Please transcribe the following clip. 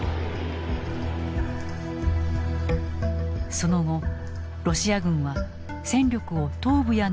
その後ロシア軍は戦力を東部や南部に集中。